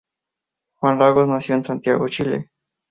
Juan Lagos nació en Santiago de Chile.